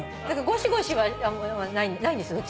ごしごしはないんですよ。